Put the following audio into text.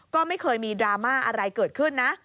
ก็ไม่เคยมีดราม่าอะไรเกิดขึ้นนะ